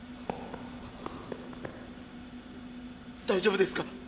大丈夫ですか？